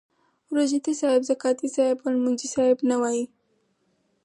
روژه تي صاحب، زکاتې صاحب او لمونځي صاحب نه وایي.